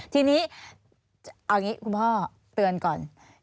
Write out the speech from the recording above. ทีนี้เอาอย่างนี้คุณพ่อเตือนก่อน